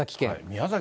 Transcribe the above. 宮崎